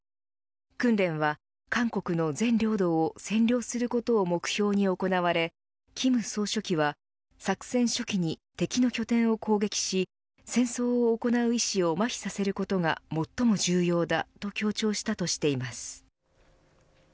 訓練は、韓国の全領土を占領することを目標に行われ金総書記は、作戦初期に敵の拠点を攻撃し戦争を行う意志をまひさせることが最も重要だと強調したとしています。